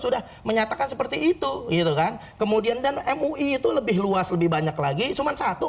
dinyatakan seperti itu itu kan kemudian dan mu ini itu lebih luas lebih banyak lagi cuma satu